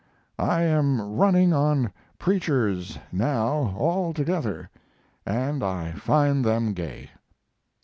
I am running on preachers now altogether, and I find them gay.